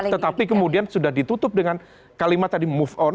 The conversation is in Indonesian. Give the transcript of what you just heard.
tetapi kemudian sudah ditutup dengan kalimat tadi move on